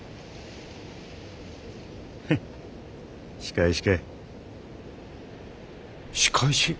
フッ仕返しかい？